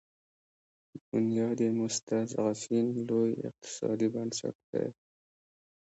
بنیاد مستضعفین لوی اقتصادي بنسټ دی.